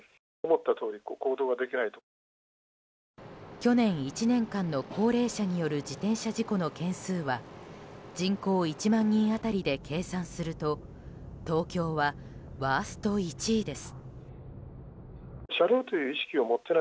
去年１年間の高齢者による自転車事故の件数は人口１万人当たりで計算すると東京はワースト１位です。